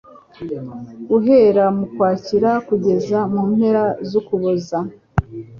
Guhera mu Kwakira kugeza mu mpera z'Ukuboza,